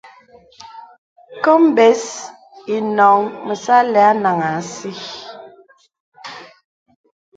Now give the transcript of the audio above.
Kôm bə̀s inôŋ məsà àlə̀ anàŋha àsī.